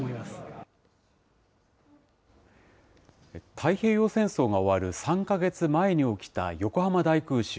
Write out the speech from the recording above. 太平洋戦争が終わる３か月前に起きた横浜大空襲。